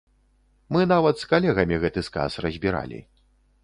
Мы нават з калегамі гэты сказ разбіралі.